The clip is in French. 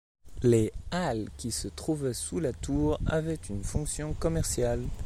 Les halles qui se trouvaient sous la tour avaient une fonction commerciale.